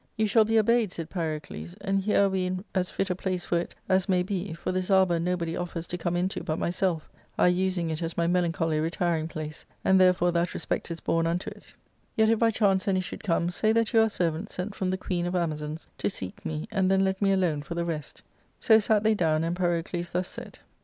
"You shall be obeyed," said Pyrocles ;" and here are we in as fit a place for it as may be, for this arbour nobody offers to come into but myself, I using it as my melancholy retiring place, and therefore that respect is borne unto it ; yet if by chance any should come, y say that you are a servant sent from the Queen of Amazons to seek me, and then let me alone for the rest" So sat the/ '^own, and Pyrocles thus said : F 2 68 ARCADIA.— Book I.